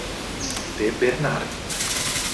De Bernardi.